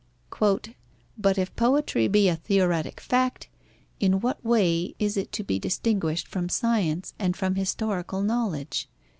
"But if Poetry be a theoretic fact, in what way is it to be distinguished from science and from historical knowledge?"